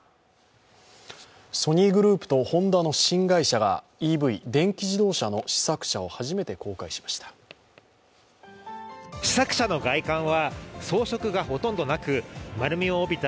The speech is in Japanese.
ソニーグループとホンダの新会社がＥＶ＝電気自動車の試作車を初めて公開しました。